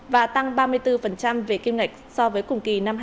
và tăng ba mươi bốn về kim ngậy so với cùng kỳ năm hai nghìn hai mươi hai